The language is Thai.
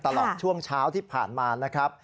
ตลอดช่วงเช้าที่ผ่านมานะครับ